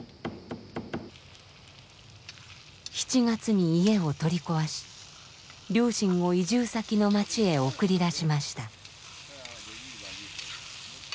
７月に家を取り壊し両親を移住先の町へ送り出しました。